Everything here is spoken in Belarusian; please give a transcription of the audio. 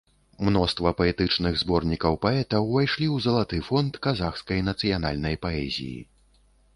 Мноства паэтычных зборнікаў паэта ўвайшлі ў залаты фонд казахскай нацыянальнай паэзіі.